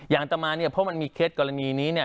อย่างต่อมาเนี่ยเพราะมันมีเคล็ดกรณีนี้เนี่ย